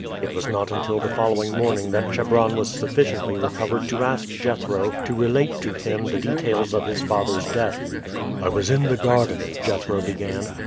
It was not until the following morning that Chebron was sufficiently recovered to ask Jethro to relate to him the details of his father's death. "I was in the garden," Jethro began.